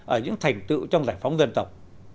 ở những thành tựu trong giải phóng dân tộc